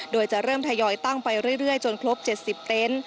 โดยจะเริ่มทยอยตั้งไปเรื่อยจนครบ๗๐เต็นต์